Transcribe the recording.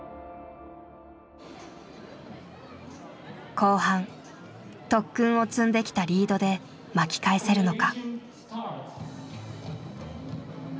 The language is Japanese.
後半特訓を積んできたリードで巻き返せるのか。